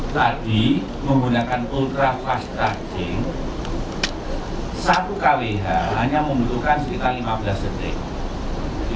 tadi menggunakan ultra fast tracking satu kwh hanya membutuhkan sekitar lima belas detik